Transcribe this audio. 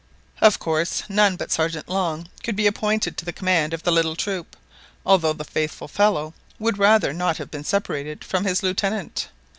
Of course none but Sergeant Long could be appointed to the command of the little troop, although the faithful fellow would rather not have been separated from his Lieutenant.